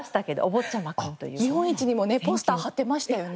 見本市にもねポスター貼ってましたよね。